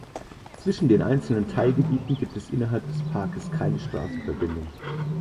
Zwischen den einzelnen Teilgebieten gibt es innerhalb des Parkes keine Straßenverbindungen.